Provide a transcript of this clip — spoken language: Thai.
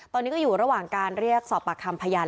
ตอนนี้ก็อยู่ระหว่างการเรียกสอบปากคำพยาน